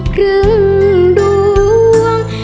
คืนดวง